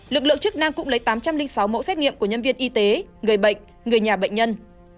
lực lượng chức năng cũng lấy tám trăm linh sáu mẫu xét nghiệm của nhân viên y tế người bệnh người nhà bệnh nhân